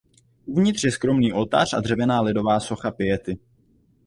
Uvnitř je skromný oltář a dřevěná lidová socha Piety.